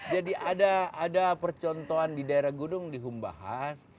jadi ada percontohan di daerah gudung di humbahas